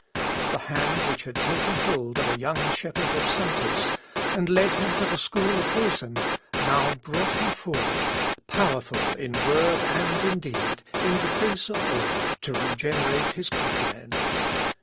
The hand which had taken hold of a young shepherd of Sentis, and led him to the school of Wesen, now brought him forward, powerful in word and in deed, in the face of all, to regenerate his countrymen.